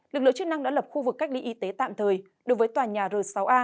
lực lượng chức năng đã lập khu vực cách ly y tế tạm thời đối với tòa nhà r sáu a